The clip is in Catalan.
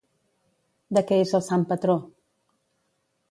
De què és el sant patró?